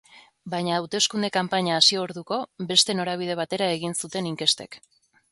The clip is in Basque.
Baina hauteskunde kanpaina hasi orduko beste norabide batera egin zuten inkestek.